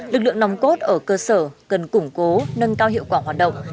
lực lượng nòng cốt ở cơ sở cần củng cố nâng cao hiệu quả hoạt động